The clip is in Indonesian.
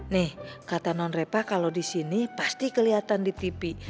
nih kata nonrepa kalau disini pasti keliatan di tv